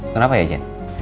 kenapa ya jen